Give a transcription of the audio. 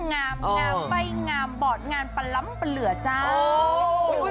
งามไปงามบอดงานปลำเปลือก่อน